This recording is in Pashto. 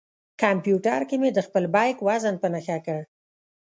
کمپیوټر کې مې د خپل بیک وزن په نښه کړ.